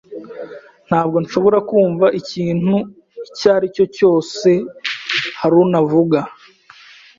Ntabwo nshobora kumva ikintu icyo ari cyo cyose Haruna avuga.